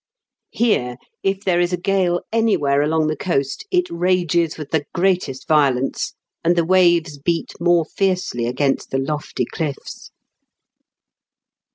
Here, if there is a gale anywhere along the coast, it rages with the greatest violence, and the waves beat more fiercely against the lofty cliffs.